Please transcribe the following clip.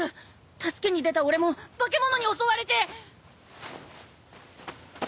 助けに出た俺も化け物に襲われて。